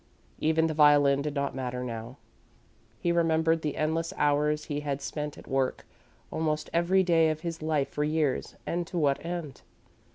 Even the violin did not matter now. He remembered the endless hours he had spent at work, almost every day of his life for years, and to what end?